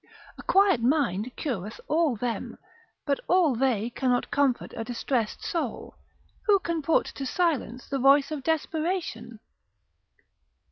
A quiet mind cureth all them, but all they cannot comfort a distressed soul: who can put to silence the voice of desperation?